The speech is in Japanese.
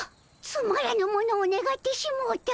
つまらぬものをねがってしもうた。